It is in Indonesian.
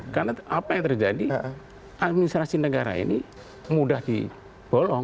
karena apa yang terjadi administrasi negara ini mudah dibolong